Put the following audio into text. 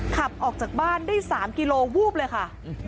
ขับออกจากบ้านได้๓กิโลวูบเลยค่ะ